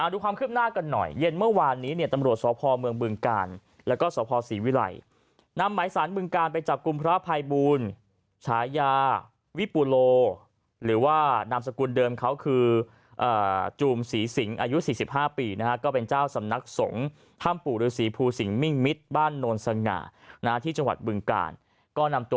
ดูความคืบหน้ากันหน่อยเย็นเมื่อวานนี้เนี่ยตำรวจสพเมืองบึงกาลแล้วก็สภศรีวิลัยนำหมายสารบึงการไปจับกลุ่มพระภัยบูลฉายาวิปุโลหรือว่านามสกุลเดิมเขาคือจูมศรีสิงอายุ๔๕ปีนะฮะก็เป็นเจ้าสำนักสงฆ์ถ้ำปู่ฤษีภูสิงหมิ่งมิตรบ้านโนนสง่านะที่จังหวัดบึงกาลก็นำตัว